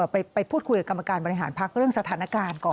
ไปพูดคุยกับกรรมการบริหารพักเรื่องสถานการณ์ก่อน